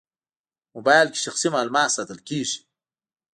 موبایل کې شخصي معلومات ساتل کېږي.